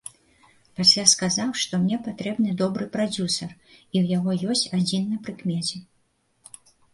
Пасля сказаў, што мне патрэбны добры прадзюсар і яго ёсць адзін на прыкмеце.